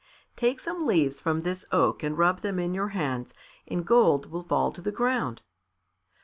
"Take some leaves from this oak and rub them in your hands and gold will fall to the ground."